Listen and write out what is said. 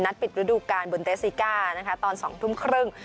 นัดปิดฤดูกาลบุนเตซิกาตอน๒ทุ่มครึ่ง